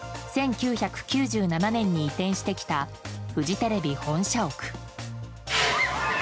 １９９７年に移転してきたフジテレビ本社屋。